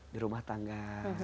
di rumah tangga